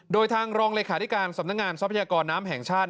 โดยทางรองเลขาธิการสำนักงานทรัพยากรน้ำแห่งชาติ